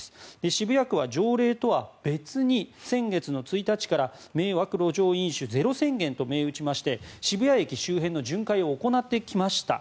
渋谷区は条例とは別に先月の１日から迷惑路上飲酒ゼロ宣言と銘打ちまして渋谷駅周辺の巡回を行ってきました。